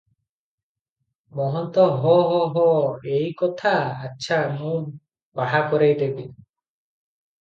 ମହନ୍ତ ହୋଃ ହୋଃ ହୋଃ- ଏଇ କଥା! ଆଚ୍ଛା ମୁଁ ବାହା କରେଇ ଦେବି ।